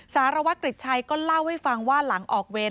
สารวัตรกริจชัยก็เล่าให้ฟังว่าหลังออกเวร